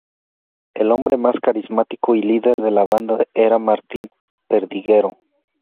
El hombre más carismático y líder de la banda era Martín Perdiguero.